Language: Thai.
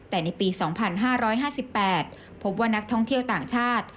แต่ในปี๒๕๕๘พบว่านักท่องเที่ยวต่างชาติ